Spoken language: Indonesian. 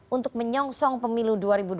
untuk menyongsong pemilu dua ribu dua puluh